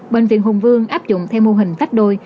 bệnh viện hùng vương áp dụng theo mô hình tách đôi